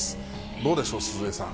どうでしょう、鈴江さん。